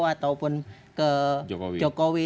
ataupun ke jokowi